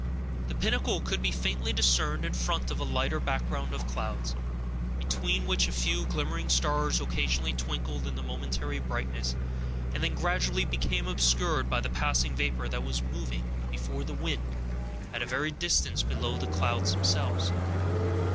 The pinnacle could be faintly discerned in front of a lighter background of clouds, between which a few glimmering stars occasionally twinkled in momentary brightness, and then gradually became obscured by the passing vapor that was moving before the wind, at a vast distance below the clouds themselves.